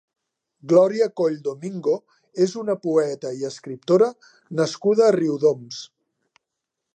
Glòria Coll Domingo és una poeta i escriptora nascuda a Riudoms.